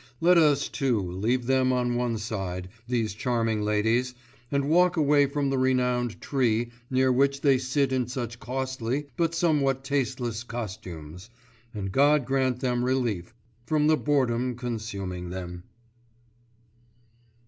Let us too leave them on one side, these charming ladies, and walk away from the renowned tree near which they sit in such costly but somewhat tasteless costumes, and God grant them relief from the boredom consuming them!